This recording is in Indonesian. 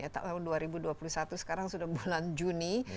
tahun dua ribu dua puluh satu sekarang sudah bulan juni